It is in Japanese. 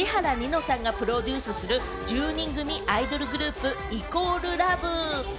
指原莉乃さんがプロデュースする１０人組アイドルグループ、＝ＬＯＶＥ。